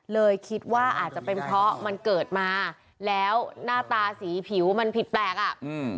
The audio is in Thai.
เลยคิดว่าอาจจะเป็นเพราะมันเกิดมาแล้วหน้าตาสีผิวมันผิดแปลกอ่ะอืม